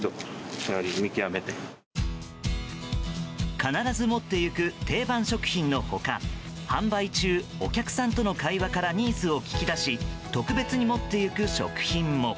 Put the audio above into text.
必ず持っていく定番食品のほか販売中、お客さんとの会話からニーズを聞き出し特別に持っていく食品も。